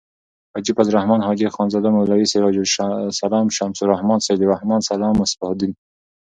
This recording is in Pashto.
حاجی فضل الرحمن. حاجی خانزاده. مولوی سراج السلام. شمس الرحمن. سعیدالرحمن.سلام.مصباح الدین